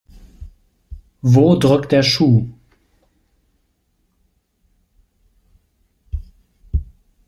Wo drückt der Schuh?